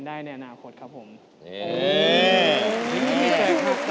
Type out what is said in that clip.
มีพลิกโพสต์ทำไมเลือกเต้ย